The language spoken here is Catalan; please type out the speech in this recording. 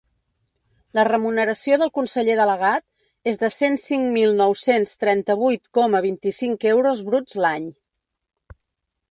La remuneració del conseller delegat és de cent cinc mil nou-cents trenta-vuit coma vint-i-cinc euros bruts l’any.